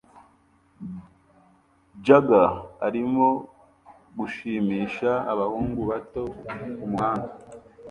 Jugler arimo gushimisha abahungu bato kumuhanda